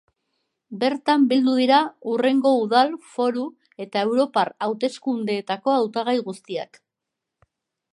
Bertan bildu dira hurrengo udal, foru eta europar hauteskundeetako hautagai guztiak.